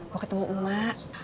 mau ketemu emak